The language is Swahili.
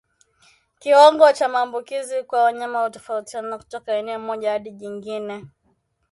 Kiwango cha maambukizi kwa wanyama hutofautiana kutoka eneo moja hadi jingine